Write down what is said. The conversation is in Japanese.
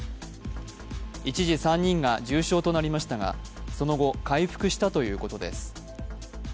一時、３人が重症となりましたが、その後、回復したということです。